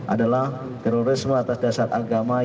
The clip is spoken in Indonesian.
adalah terorisme atas dasar agama